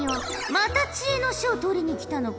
また知恵の書を取りに来たのか？